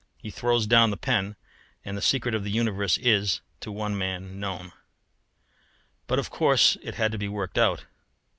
He throws down the pen; and the secret of the universe is, to one man, known. But of course it had to be worked out.